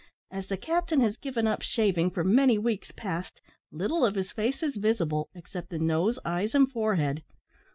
As the captain has given up shaving for many weeks past, little of his face is visible, except the nose, eyes, and forehead.